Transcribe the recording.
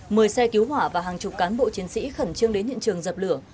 mười xe cứu hỏa và hàng chục cán bộ chiến sĩ khẩn trương đến hiện trường dập lửa